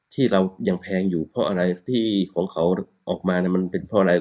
ที่เรายังแพงอยู่เพราะอะไรที่ของเขาออกมามันเป็นเพราะอะไร